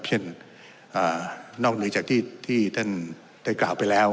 เช่นนอกเหนือจากที่ท่านได้กล่าวไปแล้ว